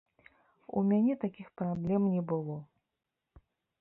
У мяне такіх праблем не было!